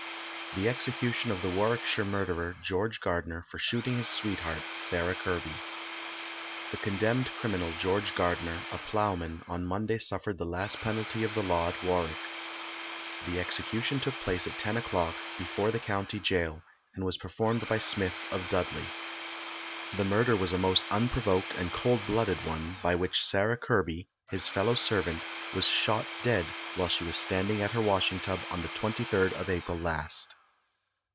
EXECUTION OF THE WARWICKSHIRE MURDERER, GEORGE GARDNER, For shooting his sweetheart, Sarah Kirby. The condemned criminal, George Gardner, a ploughman, on Monday suffered the last penalty of the law at Warwick. The execution took place at ten o'clock, before the county gaol, and was performed by Smith, of Dudley. The murder was a most unprovoked and cold blooded one, by which Sarah Kirby, his fellow servant, was shot dead while she was standing at her washing tub, on the 23rd of April last.